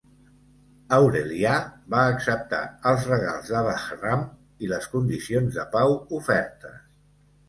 Aurelià va acceptar els regals de Bahram I i les condicions de pau ofertes.